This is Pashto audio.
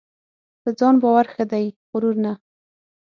په ځان باور ښه دی ؛غرور نه .